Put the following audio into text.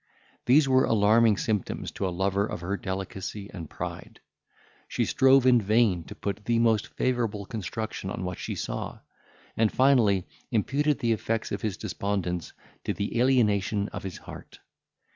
These were alarming symptoms to a lover of her delicacy and pride. She strove in vain to put the most favourable construction on what she saw; and, finally, imputed the effects of his despondence to the alienation of his heart.